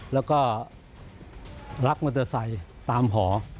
แล้วก็รักมอเตอร์ไซค์ตามหอ